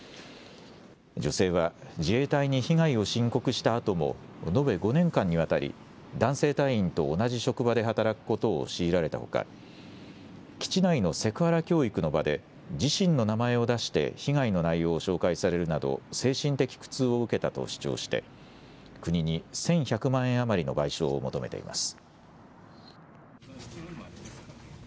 女性は自衛隊に被害を申告したあとも延べ５年間にわたり男性隊員と同じ職場で働くことを強いられたほか基地内のセクハラ教育の場で自身の名前を出して被害の内容を紹介されるなど精神的苦痛を受けたと主張して国に１１００万円余りの賠償を求めています。